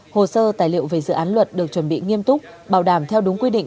hồ sơ tài liệu về dự án luật được chuẩn bị nghiêm túc bảo đảm theo đúng quy định